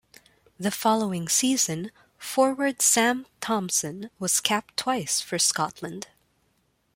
The following season, forward Sam Thomson was capped twice for Scotland.